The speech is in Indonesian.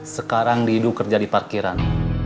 sekarang dihidu kerja di parkiran